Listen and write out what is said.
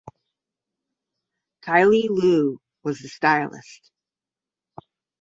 Kyle Luu was the stylist.